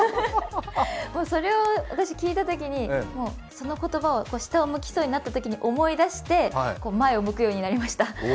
それを私聞いたときにその言葉を下を向きそうになったときに思い出して、前を向くようになりました。